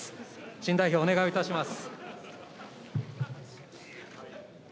新代表、お願いをいたします。